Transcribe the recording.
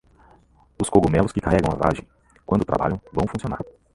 Os cogumelos que carregam a vagem, quando trabalham, vão funcionar.